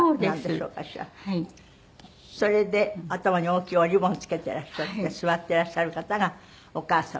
それで頭に大きいおリボンつけていらっしゃって座っていらっしゃる方がお母様。